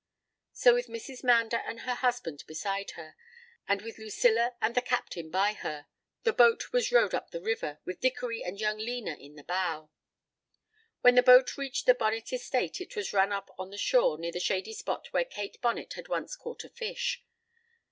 So with Mrs. Mander and her husband beside her, and with Lucilla and the captain by her, the boat was rowed up the river, with Dickory and young Lena in the bow. When the boat reached the Bonnet estate it was run up on the shore near the shady spot where Kate Bonnet had once caught a fish.